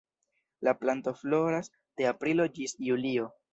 La planto floras de aprilo ĝis julio.